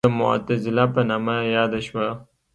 د معتزله په نامه یاده شوه.